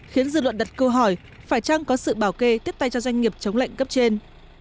khiến dư luận đặt câu hỏi phải chăng có sự bảo kê tiếp tay cho doanh nghiệp chống lệnh cấp trên